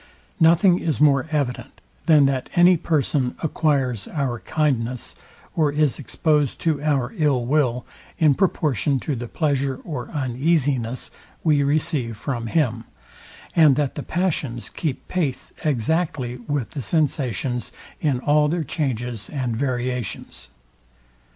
Nothing is more evident, than that any person acquires our kindness, or is exposed to our ill will, in proportion to the pleasure or uneasiness we receive from him, and that the passions keep pace exactly with the sensations in all their changes and variations.